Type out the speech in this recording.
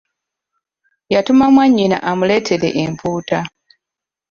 Yatuma mwannyina amuleetere empuuta.